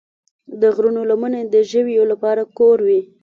د غرونو لمنې د ژویو لپاره کور وي.